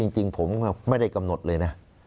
จริงผมก็ไม่ได้กำหนดเลยนะ